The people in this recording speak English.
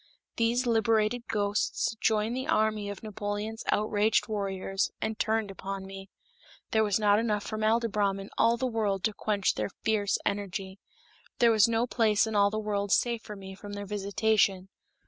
These liberated ghosts joined the army of Napoleon's outraged warriors, and turned upon me. There was not enough formaldybrom in all the world to quench their fierce energy. There was no place in all the world safe for me from their visitation.